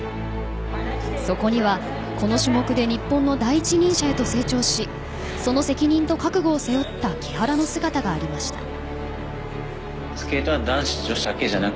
そこにはこの種目で日本の第一人者へと成長しその責任と覚悟を背負った木原の姿がありました。